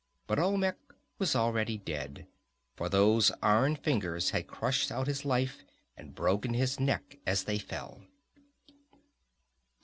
But Olmec was already dead, for those iron fingers had crushed out his life and broken his neck as they fell.